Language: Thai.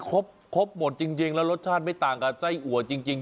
ครบครบหมดจริงจริงแล้วรสชาติไม่ต่างกับไส้อัวจริงจริง